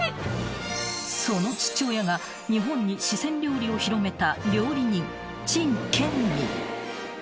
［その父親が日本に四川料理を広めた料理人陳建民］